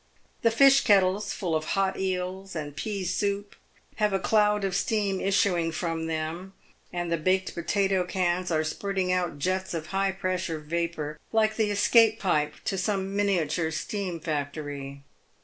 The fish kettles, full of "hot eels" and "pea soup, have a cloud of steam issuing from them, and the baked potato cans are spirting out jets of a high pressure vapour, like the escape pipe to some miniature steam factory.